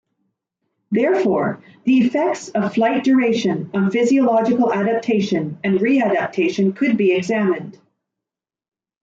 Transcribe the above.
Therefore, the effects of flight duration on physiological adaptation and readaptation could be examined.